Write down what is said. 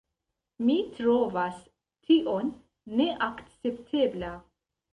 Mi trovas tion neakceptebla.